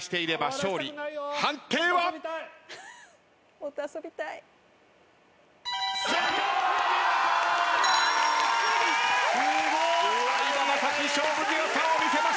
勝負強さを見せました。